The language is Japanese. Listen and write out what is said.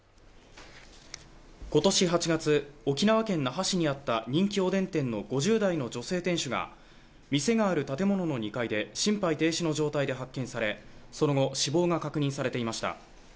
今年８月沖縄県那覇市にあった人気おでん店の５０代の女性店主が店がある建物の２階で心肺停止の状態で発見されその後死亡が確認されていました